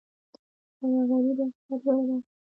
سوداګري د اقتصاد لویه برخه وه